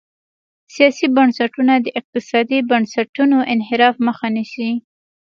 سیاسي بنسټونه د اقتصادي بنسټونو انحراف مخه نیسي.